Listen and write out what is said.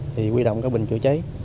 thì huy động các bình chữa cháy